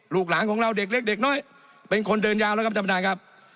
ลูกหลานของเราเด็กเล็กเด็กน้อยเป็นคนเดินยาวแล้วครับท่านประธานครับ